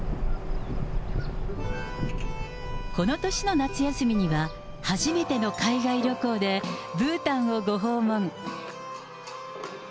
この年の夏休みには、初めての海外旅行で、ブータンをご訪問。